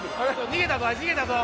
逃げたぞ